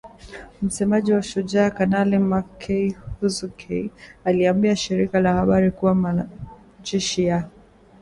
Msemaji wa Shujaa, Kanali Mak Hazukay aliliambia shirika la habari kuwa majeshi ya